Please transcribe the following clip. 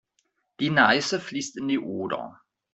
Die Neiße fließt in die Oder.